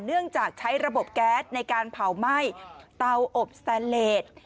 เนื่องจากใช้ระบบแก๊สในการเผาไหม้เตาอบสแตนเลส